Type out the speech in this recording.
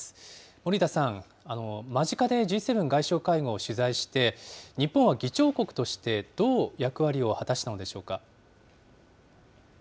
森田さん、間近でＧ７外相会合を取材して、日本は議長国としてどう役割を果たしたのでしょうか。